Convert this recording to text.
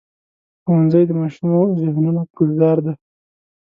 ښوونځی د ماشومو ذهنونو ګلزار دی